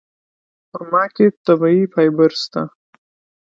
په خرما کې طبیعي فایبر شته.